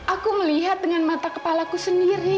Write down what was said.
aku melihat dengan mata kepala ku sendiri